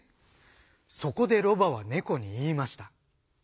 そこでロバはネコにいいました。